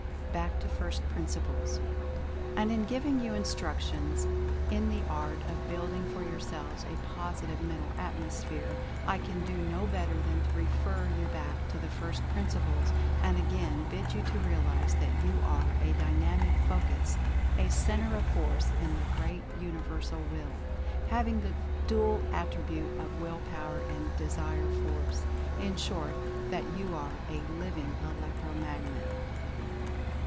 BACK TO FIRST PRINCIPLES. And in giving you instructions in the art of build ing for yourselves a positive Mental Atmosphere I can do no better than to refer you back to first prin ciples and again bid you to realize that you are a Dy namic Focus — a Centre of Force — in the great Uni versal Will, having the dual attribute of Will Power and Desire Force. In short, that you are A LIVING ELECTRO MAGNET.